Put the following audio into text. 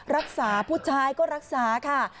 รักษาผู้ชายก็รักษาค่ะ